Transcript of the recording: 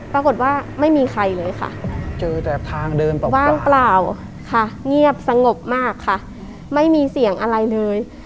ปรากฏว่าไม่มีใครเลยค่ะว่างเปล่าค่ะเงียบสงบมากค่ะไม่มีเสียงอะไรเลย